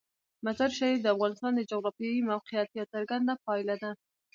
مزارشریف د افغانستان د جغرافیایي موقیعت یوه څرګنده پایله ده.